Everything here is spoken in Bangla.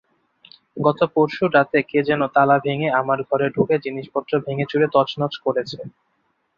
গত পরশু রাতে কে যেন তালা ভেঙে আমার ঘরে ঢুকে জিনিসপত্র ভেঙেচুরে তছনছ করেছে।